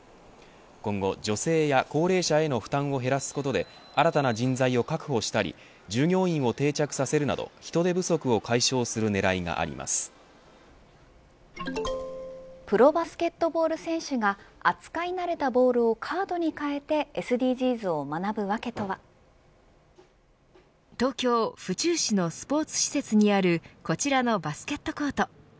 今後、女性や高齢者への負担を減らすことで新たな人材を確保したり従業員を定着させるなど人手不足をプロバスケットボール選手が扱い慣れたボールをカードに変えて東京、府中市のスポーツ施設にあるこちらのバスケットコート。